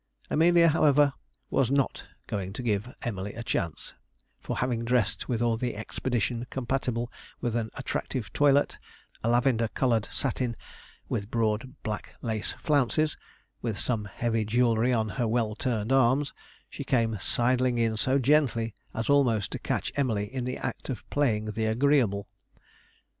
Amelia, however, was not going to give Emily a chance; for, having dressed with all the expedition compatible with an attractive toilet a lavender coloured satin with broad black lace flounces, and some heavy jewellery on her well turned arms, she came sidling in so gently as almost to catch Emily in the act of playing the agreeable.